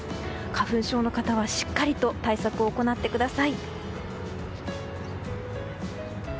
花粉症の方はしっかり対策を行ってください。